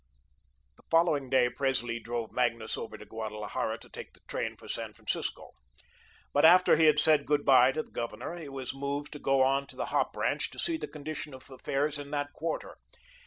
The following day Presley drove Magnus over to Guadalajara to take the train for San Francisco. But after he had said good bye to the Governor, he was moved to go on to the hop ranch to see the condition of affairs in that quarter.